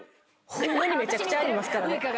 ホンマにめちゃくちゃありますからね。